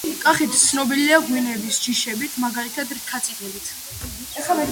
კახეთი ცნობილია ღვინების ჯიშებით მაგალითად რქაწითელით